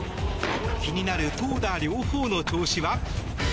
気になる投打両方の調子は？